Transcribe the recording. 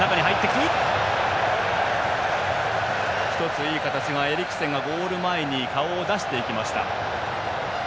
１つ、いい形がエリクセンがゴール前に顔を出していきました。